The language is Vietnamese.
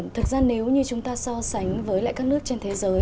thực ra nếu như chúng ta so sánh với lại các nước trên thế giới